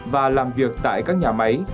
và làm việc tại các nhà máy